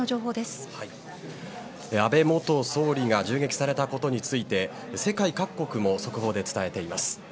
安倍元総理が銃撃されたことについて世界各国も速報で伝えています。